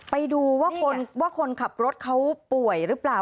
ไปดูว่าคนขับรถเขาป่วยหรือเปล่า